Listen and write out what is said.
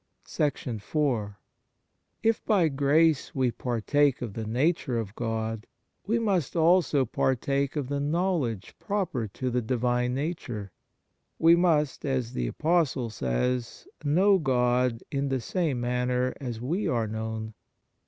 IV IF by grace we partake of the nature of God, we must also partake of the knowledge proper to the Divine Nature. We must, as the Apostle says, know God in the same manner as we are known.